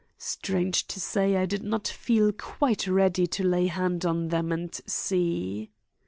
Strange to say I did not feel quite ready to lay hand on them and see.